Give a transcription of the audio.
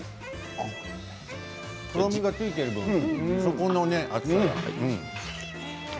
とろみがついている分それが熱いね。